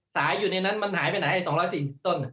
สายอยู่ในนั้นมันหายไปไหน๒๔๐ต้น